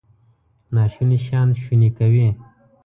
ناشوني شیان شوني کوي.